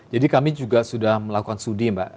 jadi kami juga sudah melakukan sudi mbak